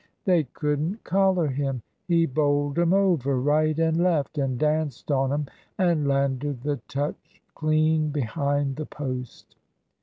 They couldn't collar him, he bowled 'em over right and left, and danced on 'em, and landed the touch clean behind the post."